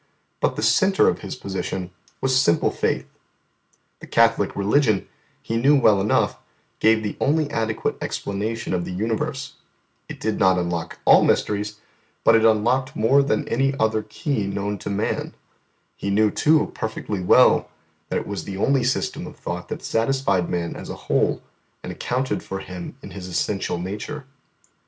But the centre of His position was simple faith. The Catholic Religion, He knew well enough, gave the only adequate explanation of the universe; it did not unlock all mysteries, but it unlocked more than any other key known to man; He knew, too, perfectly well, that it was the only system of thought that satisfied man as a whole, and accounted for him in his essential nature.